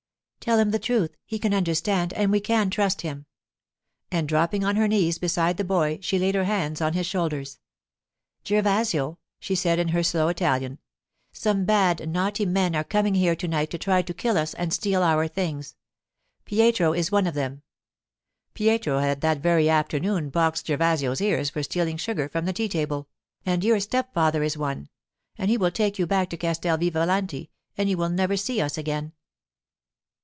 'Tell him the truth. He can understand, and we can trust him.' And dropping on her knees beside the boy, she laid her hands on his shoulders. 'Gervasio,' she said in her slow Italian, 'some bad, naughty men are coming here to night to try to kill us and steal our things. Pietro is one of them' (Pietro had that very afternoon boxed Gervasio's ears for stealing sugar from the tea table), 'and your stepfather is one, and he will take you back to Castel Vivalanti, and you will never see us again.